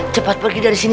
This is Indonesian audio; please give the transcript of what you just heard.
cepat pergi dari sini